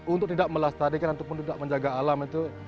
untuk tidak melestarikan ataupun tidak menjaga alam itu